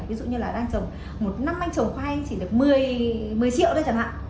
ví dụ như là đang trồng một năm anh trồng khoai anh chỉ được một mươi một mươi triệu thôi chẳng hạn